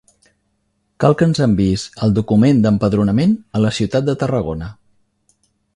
Cal que ens enviïs el document d'empadronament a la ciutat de Tarragona.